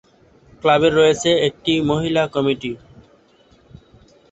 ক্লাবের রয়েছে একটি মহিলা কমিটি।